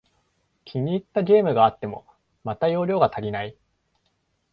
気に入ったゲームがあっても、また容量が足りない